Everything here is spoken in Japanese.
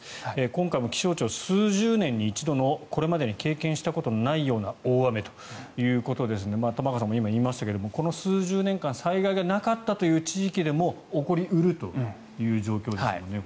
今回も気象庁は数十年に一度のこれまでに経験したことがないような大雨ということですので玉川さんも今、言いましたけれどこの数十年間災害がなかったという地域でも起こり得るという状況ですよね。